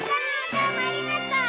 どうもありがとう！